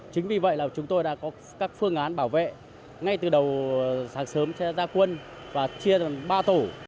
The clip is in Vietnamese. chính vì vậy là chúng tôi đã có các phương án bảo vệ ngay từ đầu sáng sớm ra quân và chia làm ba tổ